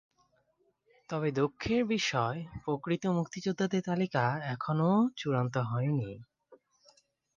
তবে দুঃখের বিষয়, প্রকৃত মুক্তিযোদ্ধাদের তালিকা এখনো চূড়ান্ত হয়নি।